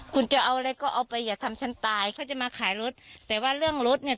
คุณจะเอาอะไรก็เอาไปอย่าทำฉันตายเขาจะมาขายรถแต่ว่าเรื่องรถเนี่ย